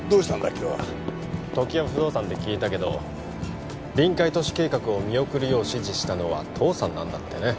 今日は常盤不動産で聞いたけど臨海都市計画を見送るよう指示したのは父さんなんだってね